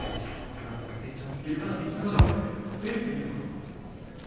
このあとの成長に期待していきましょう。